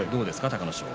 隆の勝。